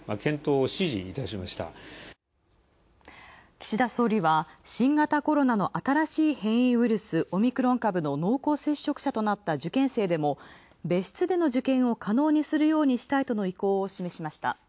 岸田総理は、新型コロナの新しい変異ウイルスオミクロン株の農耕接触者となった受験生でも別室での受験を可能にするようにしたいとの意向を示しました。